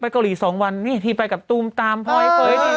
ไปเกาหลีสองวันนี่พี่ไปกับตุ้มตามพ่อยเผย